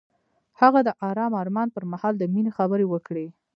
هغه د آرام آرمان پر مهال د مینې خبرې وکړې.